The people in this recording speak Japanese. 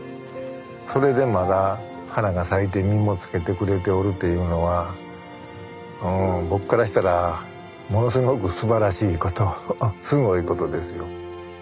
それでまだ花が咲いて実もつけてくれておるというのはうん僕からしたらものすごくすばらしいことすごいことですよ。